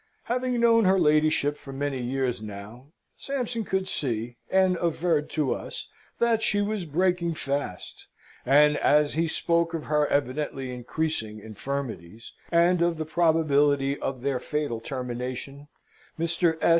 Having known her ladyship for many years now, Sampson could see, and averred to us, that she was breaking fast; and as he spoke of her evidently increasing infirmities, and of the probability of their fatal termination, Mr. S.